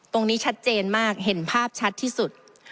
ตรงนี้ชัดเจนมากเห็นภาพชัดที่สุด